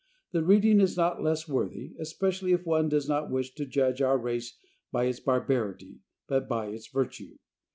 The reading is not less worthy, especially if one does not wish to judge our race by its barbarity, but by its virtue.